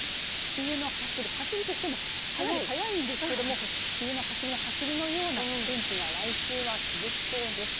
梅雨のはしりとしてもかなり早いんですが梅雨のはしりのような天気が来週は続きそうです。